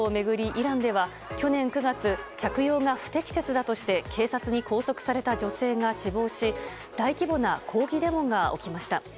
イランでは去年９月着用が不適切だとして警察に拘束された女性が死亡し大規模な抗議デモが起きました。